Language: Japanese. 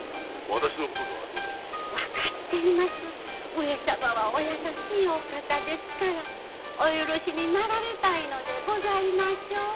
上様はお優しいお方ですからお許しになられたいのでございましょう？